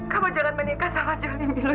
kamu jangan menikah sama juli milo